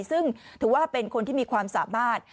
ซึ่งถือว่าเป็นคนที่มีความสามารถ